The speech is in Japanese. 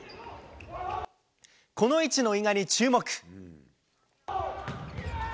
この位置の伊賀に注目。